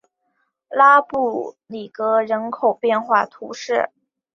拉布里格人口变化图示